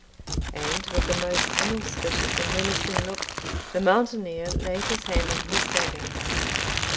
And, with a most inauspicious and menacing look, the mountaineer laid his hand on his dagger.